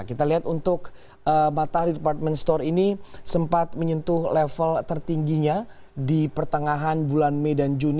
kita lihat untuk matahari department store ini sempat menyentuh level tertingginya di pertengahan bulan mei dan juni